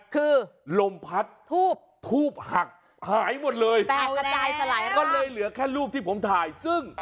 คือลมพัดทูบหักหายหมดเลยแตกกระจายสลายก็เลยเหลือแค่รูปที่ผมถ่ายซึ่ง